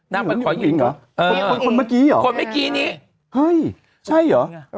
เหมือนขอหญิงเหรอคนคนเมื่อกี้เหรอคนเมื่อกี้นี้เฮ้ยใช่เหรอ